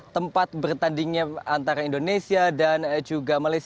tempat bertandingnya antara indonesia dan juga malaysia